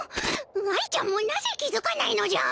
愛ちゃんもなぜ気づかないのじゃ！？